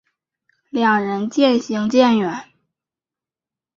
两人渐行渐远